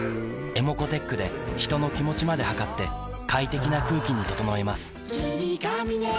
ｅｍｏｃｏーｔｅｃｈで人の気持ちまで測って快適な空気に整えます